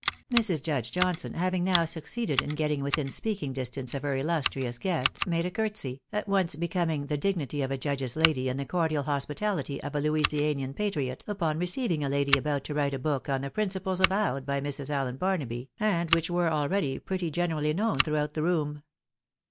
Mrs. Judge Johnson having now succeeded in getting within speaking distance of her illustrious guest, made a courtesy, at once becoming the dignity of a judge's lady and the cordial hospitality of a Louisianian patriot, upon receiving a lady about to write a book on the principles avowed by Mrs. Allen Barnaby, and which were already pretty generally known throughout the room.